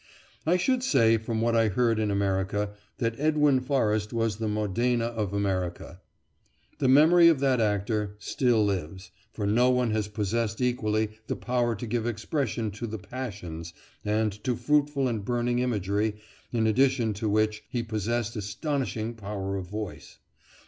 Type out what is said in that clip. I should say, from what I heard in America, that Edwin Forrest was the Modena of America. The memory of that actor still lives, for no one has possessed equally the power to give expression to the passions, and to fruitful and burning imagery, in addition to which he possessed astonishing power of voice.